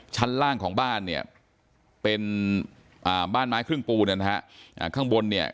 ชั้นล่างของบ้านเนี่ยเป็นอ่าบ้านไม้ครึ่งปูนนะฮะข้างบนเนี่ย